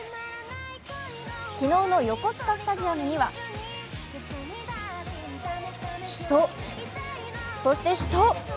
昨日の横須賀スタジアムには人そして人。